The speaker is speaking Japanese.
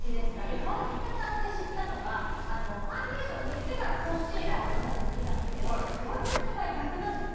河北さんで知ったのが、ファンデーションを塗ってからコンシーラーを今まで塗ってたんですけど河北さんの場合、逆なんですよ。